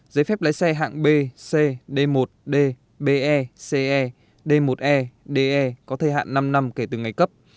giấy phép lái xe hạng b c d một d be ce d một e de có thời hạn năm năm kể từ ngày cấp